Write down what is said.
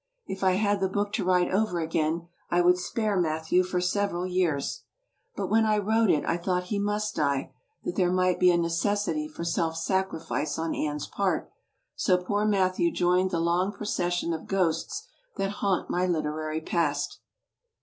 If I had the book to write over again I would spare Matthew for several years. But when I wrote it I thought he must die, that there might be a necessity for self sacrifice on Anne's part, so poor Matthew joined the long procession of ghosts that haunt my literary past.